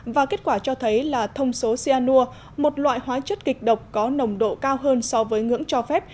và kết quả cho thấy là thông số cyanur một loại hóa chất kịch độc có nồng độ cao hơn so với ngưỡng cho phép